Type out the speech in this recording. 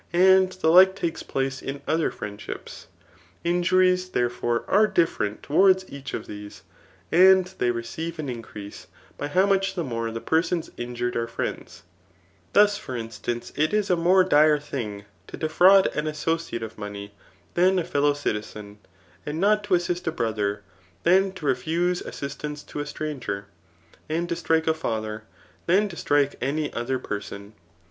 And the like takes place in other friendships. Injuries^ there for^ are different towards each of these, and they re cdve an increase, by how much the more the persons injured are friends. Thus, for instance, it is a mcMre dire Digitized by Google 310^ THE N4COMACHEAN BOOK.^UTd thing to defraud an associate of mcmtf thsA a itBoiiK citizen ; and not to assist a brother than ta refine mtisk^ ance to a stranger ; and to strike a father, thaa>toetffft» any other person.